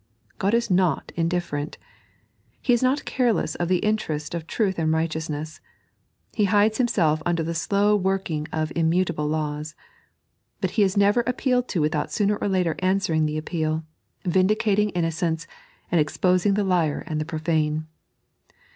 Ood is not indifferent. He is not care less of the interest of truUi and righteousness. He hides Himself under the slow working of immutable laws. But He is never appealed to without sooner or later answering the appeal, vindicating innocence, and exposing the liar and the profane.